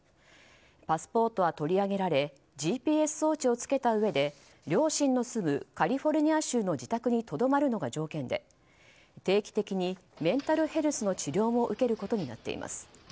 パスポートは取り上げられＧＰＳ装置をつけたうえで両親の住むカリフォルニア州の自宅にとどまるのが条件で定期的にメンタルヘルスの治療も受けることになっています。